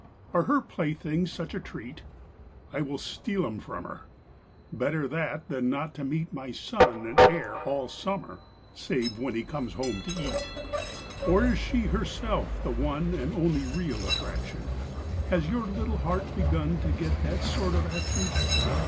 Are her playthings such a treat? I will steal 'em from her; Better that than not to meet My son and heir all summer, Save when he comes home to eat. Or is she herself the one And only real attraction? Has your little heart begun To get that sort of action?